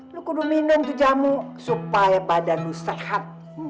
lu kudu minum jamu supaya badan lu sehat